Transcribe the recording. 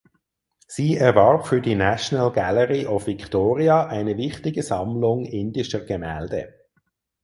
Sie erwarb für die National Gallery of Victoria eine wichtige Sammlung indischer Gemälde.